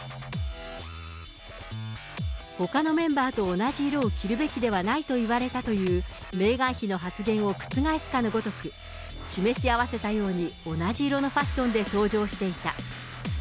ほかのメンバーと同じ色を着るべきではないと言われたというメーガン妃の発言を覆すかのごとく、示し合わせたように同じ色のファッションで登場していた。